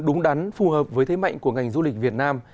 đúng đắn phù hợp với thế mạnh của ngành du lịch việt nam